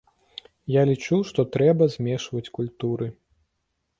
Я лічу, што трэба змешваць культуры.